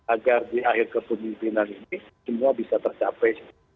agar di akhir kepemimpinan ini semua bisa tercapai